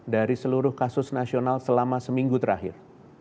dari seluruh kasus nasional selama seminggu terakhir